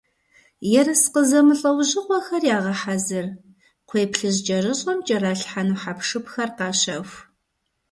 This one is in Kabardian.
Ерыскъы зэмылӀэужьыгъуэхэр ягъэхьэзыр, кхъуейплъыжькӀэрыщӀэм кӀэралъхьэну хьэпшыпхэр къащэху.